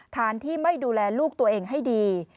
ฐานที่ไม่ดูแลลูกตัวเองให้ดี